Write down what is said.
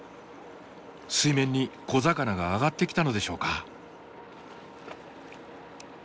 水面に小魚が上がってきたのでしょうか？